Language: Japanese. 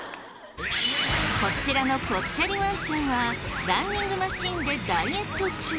こちらのぽっちゃりワンちゃんはランニングマシンでダイエット中。